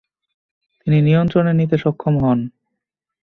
তিনি নিয়ন্ত্রণে নিতে সক্ষম হন।